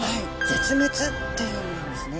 「絶滅」っていう意味なんですね。